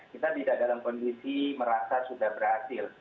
kita bisa dalam kondisi merasa sudah berhasil